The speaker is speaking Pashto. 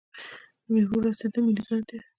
د میوو ورستیدل ملي زیان دی.